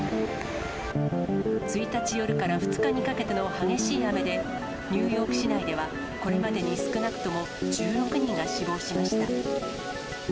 １日夜から２日にかけての激しい雨で、ニューヨーク市内では、これまでに少なくとも１６人が死亡しました。